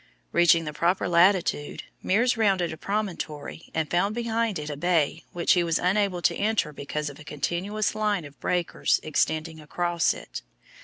Reaching the proper latitude, Meares rounded a promontory and found behind it a bay which he was unable to enter because of a continuous line of breakers extending across it.